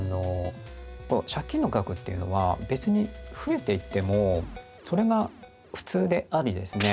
借金の額っていうのは別に増えていってもそれが普通でありですね